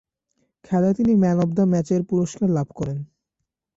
খেলায় তিনি man of the ম্যাচের পুরস্কার লাভ করেন।